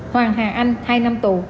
hoàng hà anh hai năm tù